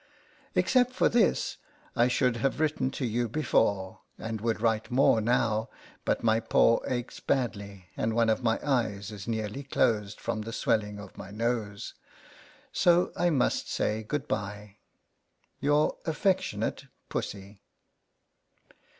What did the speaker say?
Except for this I should have written to you before, and would write more now, but my paw aches 58 LETTERS FROM A CAT. badly, and one of my eyes is nearly closed from the swelling of my nose : so I must say good by. Your affectionate PUSSY.